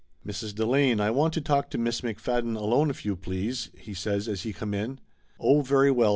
"Mrs. Delane, I want to talk to Miss McFadden alone, if you please," he says as he come in. "Oh, very well!"